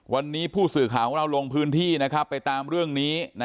วันนี้ผู้สื่อข่าวเราลงพื้นที่นะครับไปตามเรื่องนี้นะ